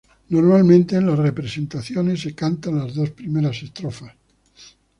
Normalmente en las representaciones se cantan las dos primeras estrofas.